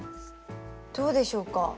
どうでしょうか？